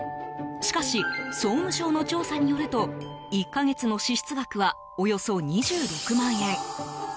しかし、総務省の調査によると１か月の支出額はおよそ２６万円。